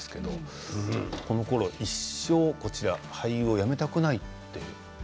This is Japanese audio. このころ一生俳優をやめたくないって。